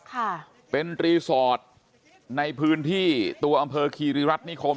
ค่ะเป็นรีสอร์ทในพื้นที่ตัวอำเภอคีริรัฐนิคม